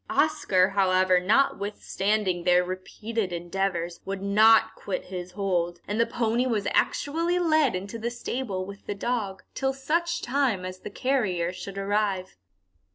Oscar, however, notwithstanding their repeated endeavours, would not quit his hold, and the pony was actually led into the stable with the dog, till such time as the carrier should arrive.